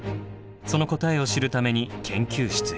その答えを知るために研究室へ。